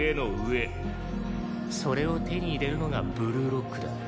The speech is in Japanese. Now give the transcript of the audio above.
それを手に入れるのがブルーロックだ。